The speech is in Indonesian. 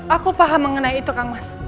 aku paham mengenai itu kang mas